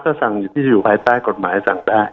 ที่จะอยู่ภายใต้กฎหมายสั่งได้